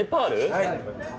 はい。